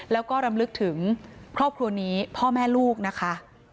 แล้วก็รำลึกถึงครอบครัวนี้พ่อแม่ลูกนะคะ